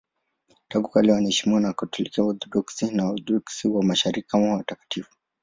Tangu kale wanaheshimiwa na Wakatoliki, Waorthodoksi na Waorthodoksi wa Mashariki kama watakatifu.